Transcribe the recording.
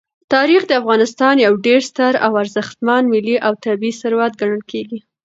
تاریخ د افغانستان یو ډېر ستر او ارزښتمن ملي او طبعي ثروت ګڼل کېږي.